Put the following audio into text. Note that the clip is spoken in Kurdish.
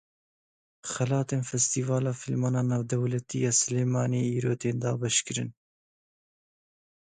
Xelatên Festîvala Fîlman a Navdewletî ya Silêmaniyê îro tên dabeşkirin.